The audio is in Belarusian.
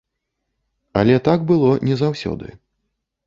Але так было не заўсёды.